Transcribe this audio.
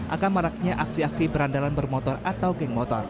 akan maraknya aksi aksi berandalan bermotor atau geng motor